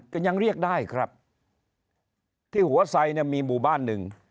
ก็ยังเรียกได้ครับที่หัวไซเนี่ยมีหมู่บ้านหนึ่ง